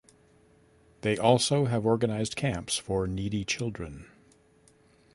They also have organized camps for needy children.